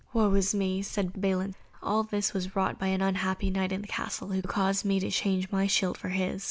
"Woe is me!" said Balin, "all this was wrought by an unhappy knight in the castle, who caused me to change my shield for his.